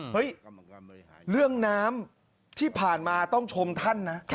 เฮ้ยเรื่องน้ำที่ผ่านมาต้องชมท่านนะ